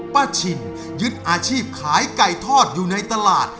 ป้าชินยึดอาชีพขายไก่ทอดอยู่ในตลาด